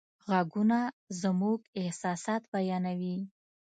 غږونه زموږ احساسات بیانوي.